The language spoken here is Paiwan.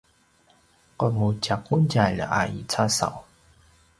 qemudjaqudjalj a i casaw